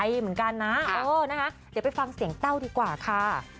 นะคะเดี๋ยวไปฟังเสียงเต้าดีกว่าค่ะ